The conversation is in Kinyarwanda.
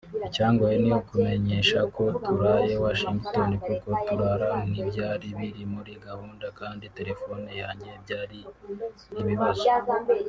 icyangoye ni ukumenyesha ko turaye Washington kuko kurara ntibyari biri muri gahunda kandi telephone yanjye byari ibibazo